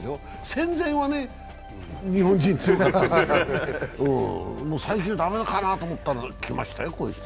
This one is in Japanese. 戦前はね、日本人強かったんだけど最近だめかなと思ったらきましたよ、こういう人。